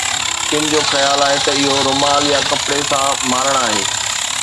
ڪن جو خيال آهي ته اهو رومال يا ڪپڙي سان مارڻ آهي.